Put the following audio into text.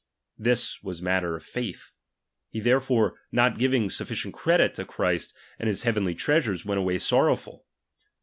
This was matter of yotVA, He therefore not giving sufficient credit to Christ and his heavenly treasures, went away sorrowful.